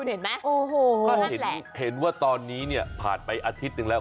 เห็นว่าตอนนี้เนี่ยผ่านไปอาทิตย์นึงแล้ว